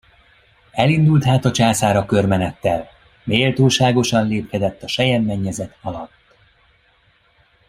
Elindult hát a császár a körmenettel, méltóságosan lépkedett a selyemmennyezet alatt.